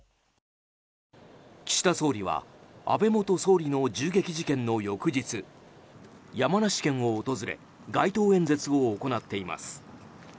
岸田総理は安倍元総理の銃撃事件の翌日山梨県を訪れ街頭演説を行っています。